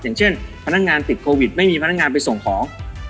อย่างเช่นพนักงานติดโควิดไม่มีพนักงานไปส่งของ